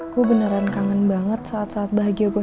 gue beneran kangen banget saat saat bahagia gue